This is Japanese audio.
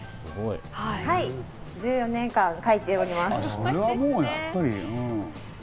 はい、１４年間書いております。